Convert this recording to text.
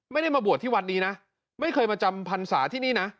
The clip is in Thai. ไม่ได้มาบวชน์ที่วันนี้ไม่เคยมาจำผัญภาษาที่นี้